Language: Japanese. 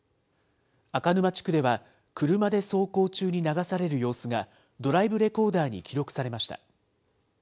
赤沼地区では、車で走行中に流される様子が、ドライブレコーダーに記録されました。